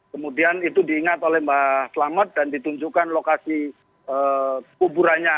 kemudian itu diingat oleh mbak selamat dan ditunjukkan lokasi kuburannya